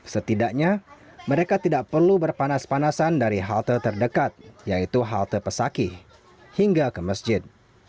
setidaknya mereka tidak perlu berpanas panasan dari halte terdekat yaitu halte pesakih hingga ke masjid